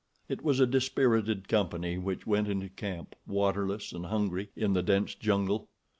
It was a dispirited company which went into camp, waterless and hungry, in the dense jungle.